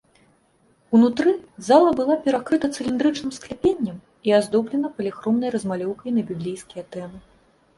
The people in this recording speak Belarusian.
Унутры зала была перакрыта цыліндрычным скляпеннем і аздоблена паліхромнай размалёўкай на біблейскія тэмы.